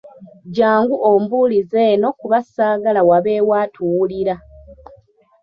Jangu obimbuulize eno kuba saagala wabeewo atuwulira.